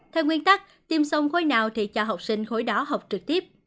theo nguyên tắc tiêm song khối nào thì cho học sinh khối đó học trực tiếp